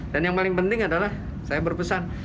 dan yang paling penting adalah saya berpesan